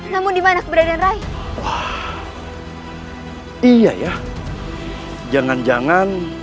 sesuatu yang buruk terjadi padanya